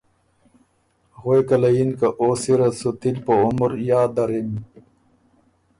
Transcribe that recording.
غوېکه له یِن که او سِر ات سُو تِل په عمر یاد درِم۔